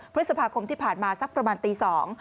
พฤษภาคมที่ผ่านมาสักประมาณตีสอง